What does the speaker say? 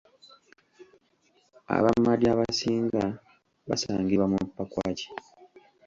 Abamadi abasinga basangibwa mu Pakwach.